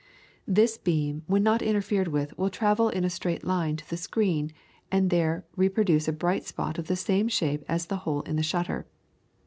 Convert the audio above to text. This beam when not interfered with will travel in a straight line to the screen, and there reproduce a bright spot of the same shape as the hole in the shutter.